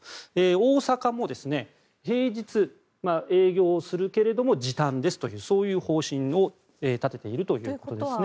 大阪も平日、営業するけど時短ですという、そういう方針を立てているということですね。